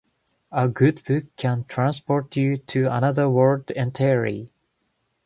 A good book can transport you to another world entirely.